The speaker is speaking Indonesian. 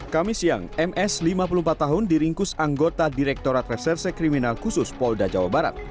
kami siang ms lima puluh empat tahun diringkus anggota direktorat reserse kriminal khusus polda jawa barat